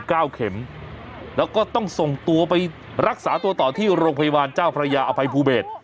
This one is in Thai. เก้าเข็มแล้วก็ต้องส่งตัวไปรักษาตัวต่อที่โรงพยาบาลเจ้าพระยาอภัยภูเบศ